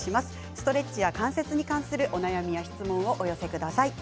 ストレッチや関節に関するお悩みや質問をお寄せください。